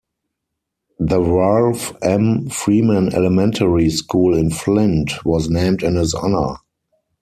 The Ralph M. Freeman Elementary School in Flint was named in his honor.